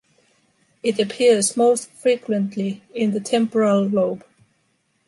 It appears most frequently in the temporal lobe.